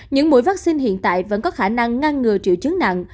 những mũi vaccine hiện tại vẫn có khả năng ngăn ngừa triệu chứng nặng